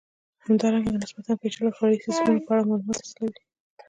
همدارنګه د نسبتا پېچلو او فرعي سیسټمونو په اړه معلومات حاصلوئ.